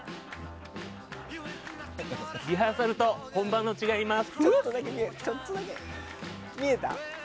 リハーサルと本番の違い言います。